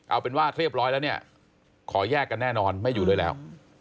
เอาเป็นว่าเรียบร้อยแล้วเนี่ยขอแยกกันแน่นอนไม่อยู่ด้วยแล้ว